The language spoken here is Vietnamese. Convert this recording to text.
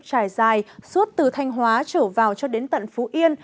nắng nóng tiếp tục trải dài suốt từ thanh hóa trở vào cho đến tận phú yên